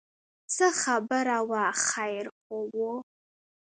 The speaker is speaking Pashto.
څه خبره وه خیر خو و.